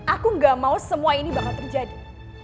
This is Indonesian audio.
aku gak mau semua ini bakal terjadi